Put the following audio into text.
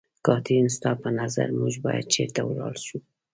کاترین، ستا په نظر موږ باید چېرته ولاړ شو؟